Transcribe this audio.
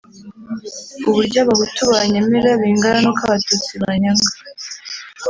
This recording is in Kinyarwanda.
uburyo abahutu banyemera bingana nuko abatutsi banyanga